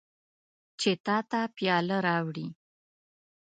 چې تا ته پیاله راوړي.